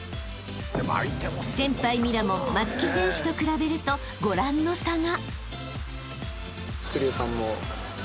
［先輩ミラモン松木選手と比べるとご覧の差が］